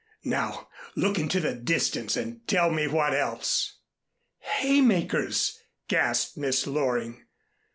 Now look into the distance and tell me what else." "Haymakers," gasped Miss Loring.